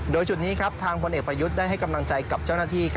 โดยจุดนี้ครับทางพลเอกประยุทธ์ได้ให้กำลังใจกับเจ้าหน้าที่